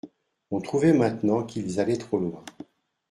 On trouvait maintenant qu'ils allaient trop loin.